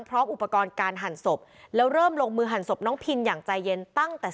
พร้อมอุปกรณ์การหั่นศพแล้วเริ่มลงมือหั่นศพน้องพินอย่างใจเย็นตั้งแต่